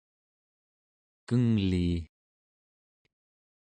kenglii